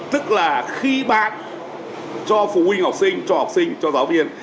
tức là khi bạn cho phụ huynh học sinh cho học sinh cho giáo viên